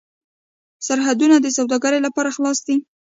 سرحدونه د سوداګرۍ لپاره خلاص دي.